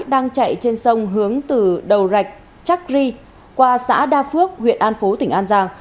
đang chạy trên sông hướng từ đầu rạch chakri qua xã đa phước huyện an phố tỉnh an giang